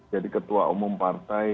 jadi ketua umum partai